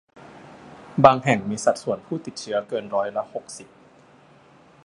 บางแห่งมีสัดส่วนผู้ติดเชื้อเกินร้อยละหกสิบ